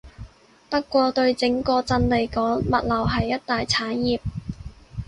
不過對整個鎮嚟講，物流係一大產業